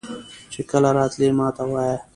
چې کله راتلې ماته وایه.